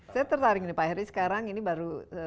saya tertarik ini pak heri sekarang ini baru